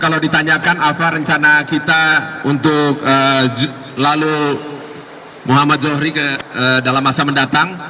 kalau ditanyakan apa rencana kita untuk lalu muhammad zohri ke dalam masa mendatang